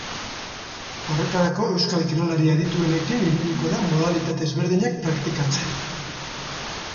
Horretarako, euskal kirolari adituenekin ibiliko da modalitate ezberdinak praktikatzen.